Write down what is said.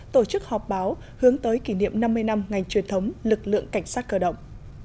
tổ chức họp báo hướng tới kỷ niệm năm mươi năm ngành truyền thống lực lượng cảnh sát cơ động